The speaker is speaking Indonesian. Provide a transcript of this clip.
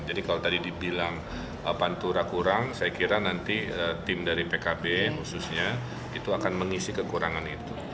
jadi kalau tadi dibilang pantura kurang saya kira nanti tim dari pkb khususnya itu akan mengisi kekurangan itu